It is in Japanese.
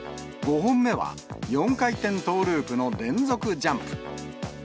５本目は４回転トーループの連続ジャンプ。